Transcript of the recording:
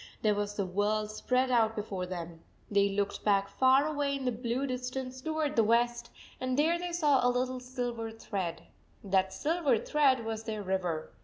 There was the world spread out before them ! They looked back far away in the blue distance toward the west, and there they saw a little silver thread. That silver thread was their river.